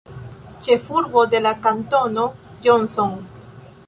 Ĉefurbo de la kantono Johnson.